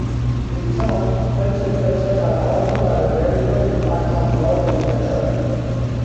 In turn, French literature has also had a radical impact on world literature.